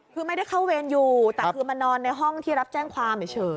คือไม่ได้เข้าเวรอยู่แต่คือมานอนในห้องที่รับแจ้งความเฉย